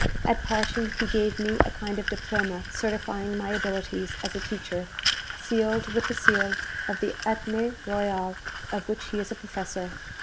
At parting, he gave me a kind of diploma certifying my abilities as a teacher sealed with the seal of the Athenée Royal of which he is a professor....